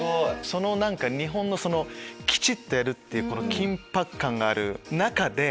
何か日本のきちっとやるっていう緊迫感がある中で。